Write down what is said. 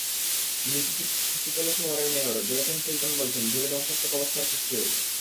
মিসিসিপির তুপেলো শহরের mayor Joysen Shelton বলেছেন, ঝড়ে ধ্বংসাত্মক অবস্থা সৃষ্টি হয়েছে।